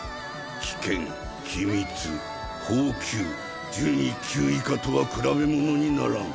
危険機密俸給準１級以下とは比べ物にならん。